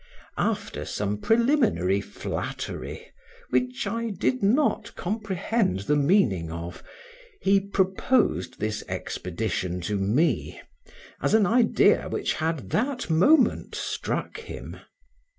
After some preliminary flattery, which I did not comprehend the meaning of, he proposed this expedition to me, as an idea which had that moment struck him.